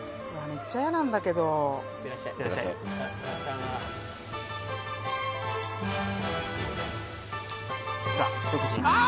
めっちゃ嫌なんだけどいってらっしゃいさようならさあ